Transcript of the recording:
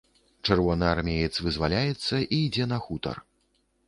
Чырвонаармеец вызваляецца і ідзе на хутар.